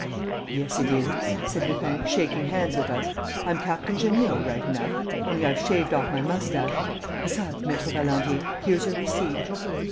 "Yes, it is," said Lupin, shaking hands with us. "I'm Captain Jeanniot right enough ... only I've shaved off my moustache.... Besides, Maître Valandier, here's your receipt."